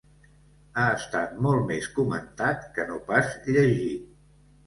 Ha estat molt més comentat que no pas llegit.